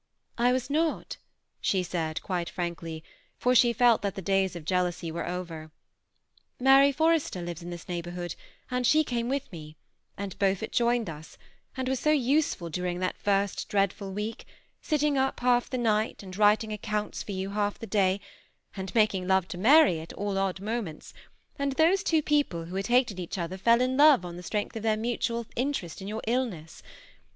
" I was not/* she said, quite frankly, for she felt that the days of jealousy were over. " Mary Forrester lives in this neighborhood, and she came with me ; and Beau fort joined us, and was so useful during that first dread ful week, — sitting up half the night, and writing ac counts of you half the day, and making love to Mary at all odd moments ; and those two people who had hated each other, fell in love on the strength of their mutual interest in your illness.